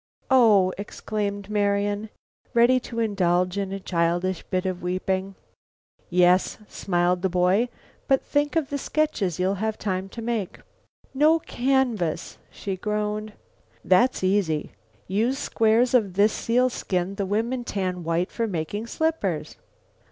"Oh!" exclaimed Marian, ready to indulge in a childish bit of weeping. "Yes," smiled the boy, "but think of the sketches you'll have time to make." "No canvas," she groaned. "That's easy. Use squares of this sealskin the women tan white for making slippers."